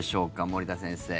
森田先生。